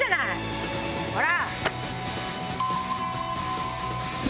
ほら！